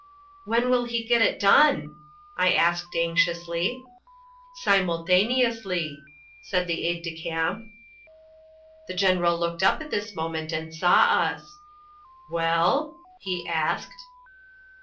"When will he get it done?" I asked anxiously. "Simultaneously," said the aide de camp. The General looked up at this moment and saw us. "Well?" he asked.